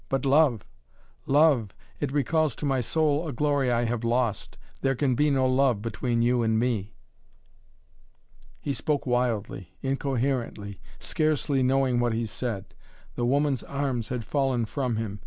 But love love it recalls to my soul a glory I have lost. There can be no love between you and me!" He spoke wildly, incoherently, scarcely knowing what he said. The woman's arms had fallen from him.